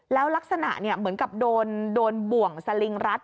แล้วลักษณะเหมือนกับโดนบ่วงสลิงรัด